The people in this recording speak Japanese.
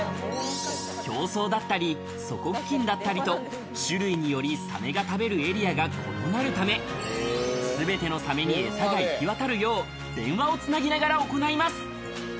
表層だったり底付近だったりと種類によりサメが食べるエリアが異なるため、全てのサメに餌が行き渡るよう、電話を繋ぎながら行います。